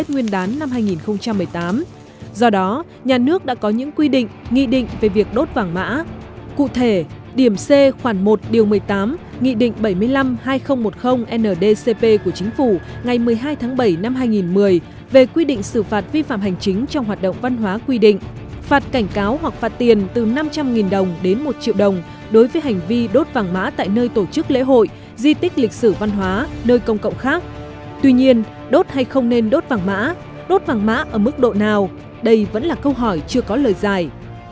tuy nhiên đốt hay không nên đốt vàng mã đốt vàng mã ở mức độ nào đây vẫn là câu hỏi chưa có lời dài